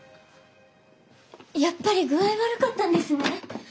やっぱり具合悪かったんですね。